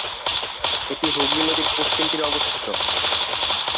এটি হুগলি নদীর পশ্চিম তীরে অবস্থিত।